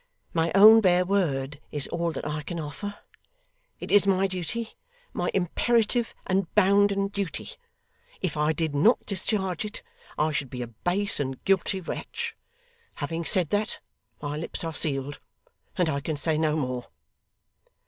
My own bare word is all that I can offer. It is my duty, my imperative and bounden duty. If I did not discharge it, I should be a base and guilty wretch. Having said that, my lips are sealed, and I can say no more.